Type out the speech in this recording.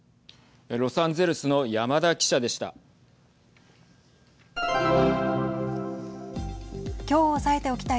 ロサンゼルスの山田記者でした。